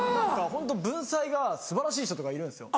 ホント文才が素晴らしい人とかいるんですよ。